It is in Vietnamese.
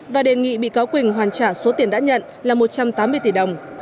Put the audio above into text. và đề nghị bị cáo quỳnh hoàn trả số tiền đã nhận là một trăm tám mươi tỷ đồng